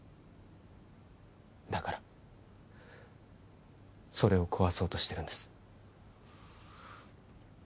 だからそれを壊そうとしてるんです